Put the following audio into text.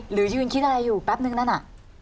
หรือยืนคิดอะไรอยู่แป๊บนึงนั่นน่ะ